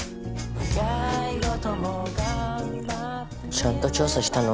ちゃんと調査したの？